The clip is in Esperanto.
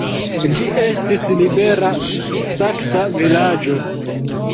Ĝi estis libera saksa vilaĝo.